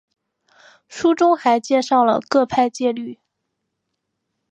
书中还介绍了各派戒律。